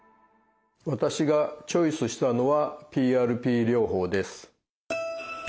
私がチョイスしたのは「ＰＲＰ療法」？